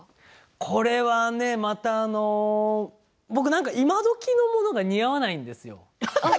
これね、僕今どきのものが似合わないんですよ。